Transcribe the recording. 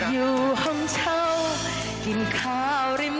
อย่าหอบอย่าหอบอย่าหอบอย่าหอบ